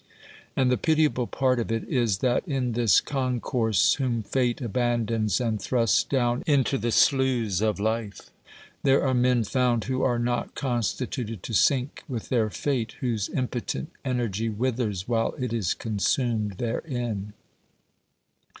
And the pitiable part of it is that in this concourse whom fate abandons and thrusts down into the sloughs of life, there are men found who are not constituted to sink with their fate, whose impotent energy withers while it is consumed therein.